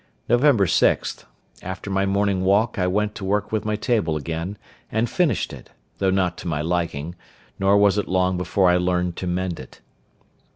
Nov. 6.—After my morning walk I went to work with my table again, and finished it, though not to my liking; nor was it long before I learned to mend it.